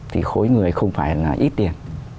thì khối người không phải là ít tiền